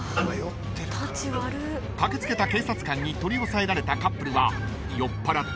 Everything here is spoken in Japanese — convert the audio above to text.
［駆け付けた警察官に取り押さえられたカップルは］